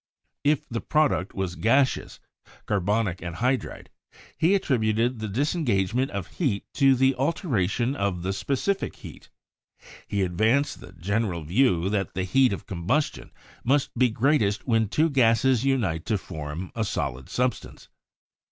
If the product was gaseous (carbonic anhy dride), he attributed the disengagement of heat to the al teration of the specific heat. He advanced the general view that the heat of combustion must be greatest when two gases unite to form a solid substance.